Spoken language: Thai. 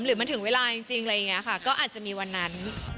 หรือมันถึงเวลาจริงอะไรอย่างนี้ค่ะก็อาจจะมีวันนั้น